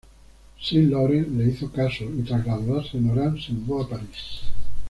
Saint Laurent le hizo caso y tras graduarse en Orán se mudó a París.